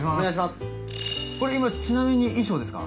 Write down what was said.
これ今ちなみに衣装ですか？